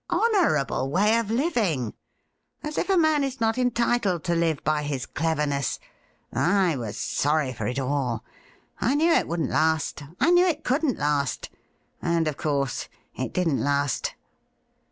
Honourable way of living ! As if a man is not entitled to live by his cleverness ! I was sorry for it all. I knew it wouldn't last ; I knew it couldn't last. And, of course, it didn't last.'